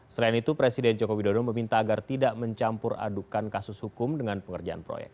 selain itu presiden joko widodo meminta agar tidak mencampur adukan kasus hukum dengan pengerjaan proyek